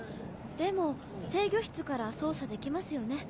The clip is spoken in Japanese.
でも制御室から操作できますよね？